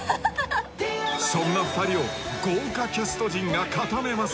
そんな２人を豪華キャスト陣が固めます！